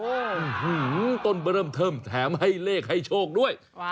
หื้อต้นเบิร์มเทิมแถมให้เลขให้โชคด้วย